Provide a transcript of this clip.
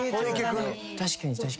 確かに。